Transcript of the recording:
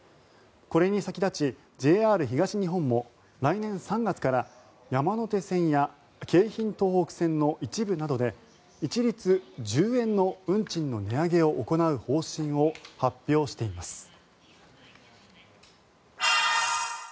これに先立ちＪＲ東日本も来年３月から山手線や京浜東北線の一部などで一律１０円の運賃の値上げを行う方針を発表しています。